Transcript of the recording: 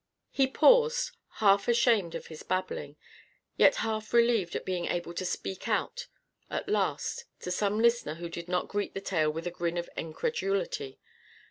He paused, half ashamed of his babbling, yet half relieved at being able to speak out at last to some listener who did not greet the tale with a grin of incredulity.